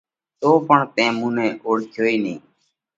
تو پڻ تئين مُون نئہ اوۯکيو ئي نئين۔